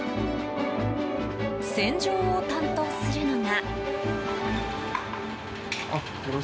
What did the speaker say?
洗浄を担当するのが。